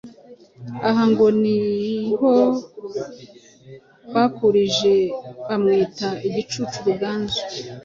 Aha ngo niho bakurije bamwita “Igicucu Ruganzu.”